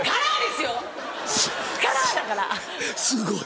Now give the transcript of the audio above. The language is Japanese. すすごい。